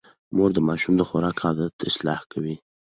مور د ماشوم د خوراک عادت اصلاح کوي.